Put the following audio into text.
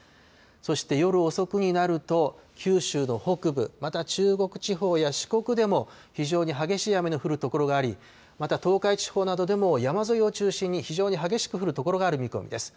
そして夜遅くになると、九州の北部、また中国地方や四国でも非常に激しい雨の降る所があり、また東海地方などでも山沿いを中心に非常に激しく降る所がある見込みです。